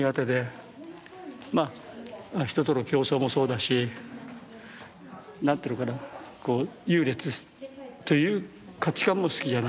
まあ人との競争もそうだし何ていうのかな優劣という価値観も好きじゃないし。